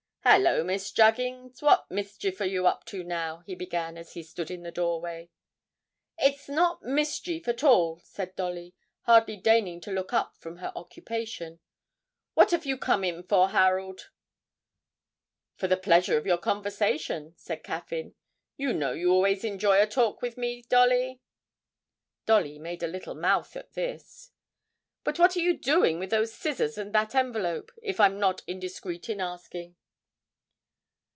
'Hallo, Miss Juggins, what mischief are you up to now?' he began, as he stood in the doorway. 'It's not mischief at all,' said Dolly, hardly deigning to look up from her occupation. 'What have you come in for, Harold?' 'For the pleasure of your conversation,' said Caffyn. 'You know you always enjoy a talk with me, Dolly.' (Dolly made a little mouth at this.) 'But what are you doing with those scissors and that envelope, if I'm not indiscreet in asking?'